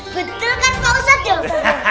betul kan pak ustadz dong